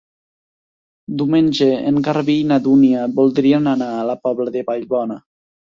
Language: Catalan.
Diumenge en Garbí i na Dúnia voldrien anar a la Pobla de Vallbona.